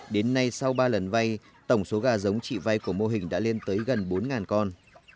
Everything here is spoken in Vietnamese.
đến nay sau ba lần vay tổng số gà giống chị vay của mô hình đã lên tới gần bốn con